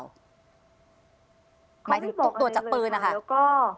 หมายถึงตรวจจัดปืนนะคะค่ะแล้วก็